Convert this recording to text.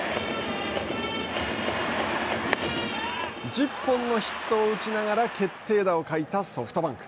１０本のヒットを打ちながら決定打を欠いたソフトバンク。